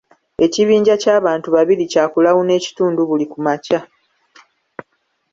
Ekibinja ky'abantu babiri kya kulawuna ekitundu buli ku makya